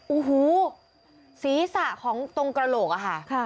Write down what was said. อู๋ฮูศีรษะของตรงกระโหลกค่ะ